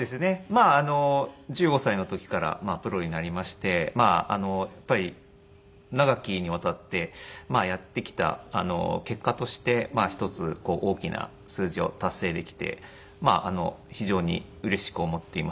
まあ１５歳の時からプロになりましてやっぱり長きにわたってやってきた結果として一つ大きな数字を達成できて非常にうれしく思っています。